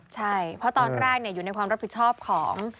ใช่เพราะตอนแรกอยู่ในความรับผิดชอบของ